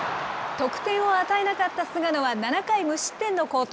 得点を与えなかった菅野は７回無失点の好投。